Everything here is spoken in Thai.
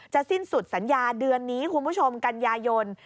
สิ้นสุดสัญญาเดือนนี้คุณผู้ชมกันยายน